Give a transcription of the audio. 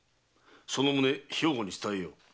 その旨兵庫に伝えよう。